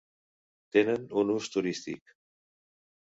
Tenen un ús turístic.